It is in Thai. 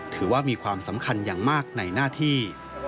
ถือว่ามีความสำคัญอย่างมากในหน้าที่